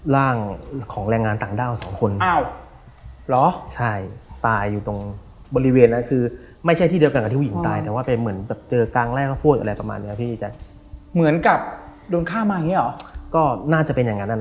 ร่างของแรงงานต่างด้าวสองคน